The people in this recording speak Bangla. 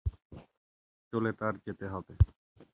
চলে তার যেতে হবে।